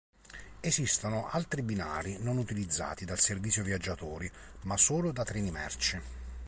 Esistono altri binari non utilizzati dal servizio viaggiatori, ma solo da treni merci.